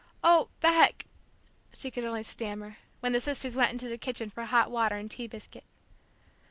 "Oh, Beck!" she could only stammer, when the sisters went into the kitchen for hot water and tea biscuit.